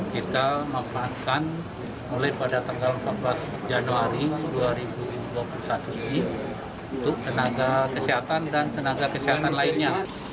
kita memanfaatkan mulai pada tanggal empat belas januari dua ribu dua puluh satu untuk tenaga kesehatan dan tenaga kesehatan lainnya